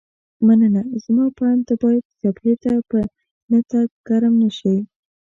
مننه، زما په اند ته باید جبهې ته په نه تګ ګرم نه شې.